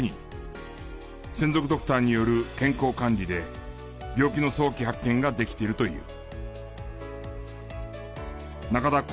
専属ドクターによる健康管理で病気の早期発見ができているという。